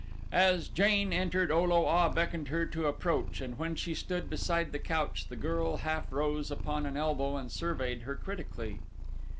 As Jane entered O lo a beckoned her to approach and when she stood beside the couch the girl half rose upon an elbow and surveyed her critically.